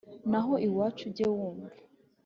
naho iwacu ujye wumva